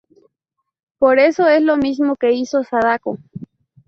Pero eso es lo mismo que hizo Sadako.